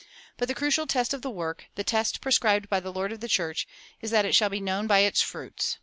But the crucial test of the work, the test prescribed by the Lord of the church, is that it shall be known by its fruits.